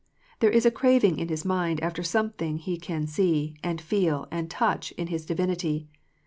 There is a craving in his mind after something he can see, and feel, and touch in his Divinity.